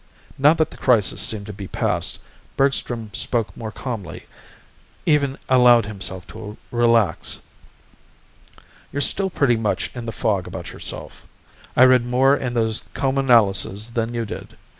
Now that the crisis seemed to be past, Bergstrom spoke more calmly, even allowed himself to relax. "You're still pretty much in the fog about yourself. I read more in those comanalyses than you did.